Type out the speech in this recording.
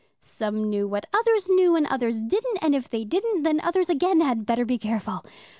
Some knew what others knew, and others didn't, and if they didn't, then others again had better be careful.